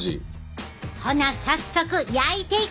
ほな早速焼いていくで！